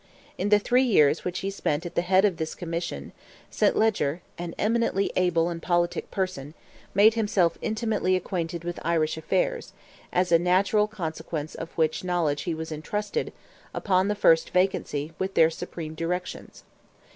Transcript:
In the three years which he spent at the head of this commission, St. Leger, an eminently able and politic person, made himself intimately acquainted with Irish affairs; as a natural consequence of which knowledge he was entrusted, upon the first vacancy, with their supreme directions.